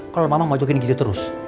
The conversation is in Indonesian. kalau mama mau jokin gitu terus